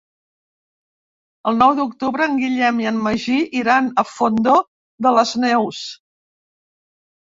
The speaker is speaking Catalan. El nou d'octubre en Guillem i en Magí iran al Fondó de les Neus.